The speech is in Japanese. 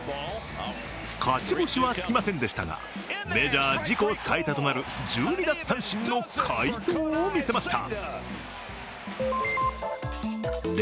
勝ち星はつきませんでしたがメジャー自己最多となる１２奪三振の快投を見せました。